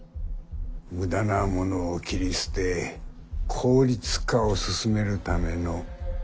無駄なものを切り捨て効率化を進めるためのコマだ。